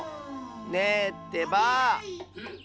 ねえってばあ！